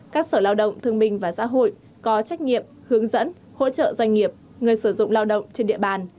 các sở lao động thương minh và xã hội có trách nhiệm hướng dẫn hỗ trợ doanh nghiệp người sử dụng lao động trên địa bàn